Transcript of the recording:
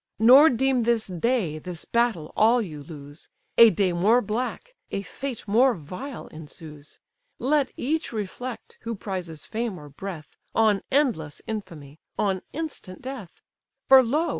Nor deem this day, this battle, all you lose; A day more black, a fate more vile, ensues. Let each reflect, who prizes fame or breath, On endless infamy, on instant death: For, lo!